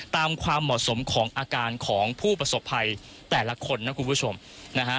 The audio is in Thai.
ความเหมาะสมของอาการของผู้ประสบภัยแต่ละคนนะคุณผู้ชมนะฮะ